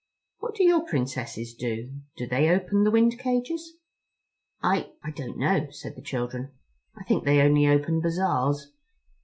What do your Princesses do? Do they open the wind cages?" "I ... I don't know," said the children. "I think they only open bazaars."